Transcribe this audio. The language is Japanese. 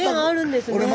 縁あるんですね。